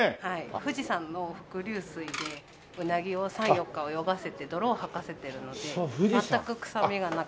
富士山の伏流水でうなぎを３４日泳がせて泥を吐かせてるので全く臭みがなくなる。